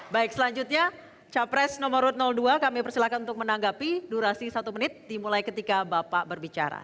baik selanjutnya capres nomor dua kami persilakan untuk menanggapi durasi satu menit dimulai ketika bapak berbicara